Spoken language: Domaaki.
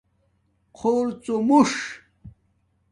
خُوڅومُݽ